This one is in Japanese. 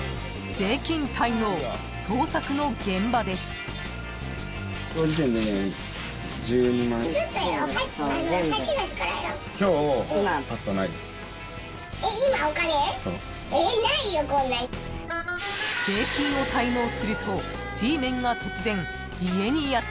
［税金を滞納するとＧメンが突然家にやって来ます］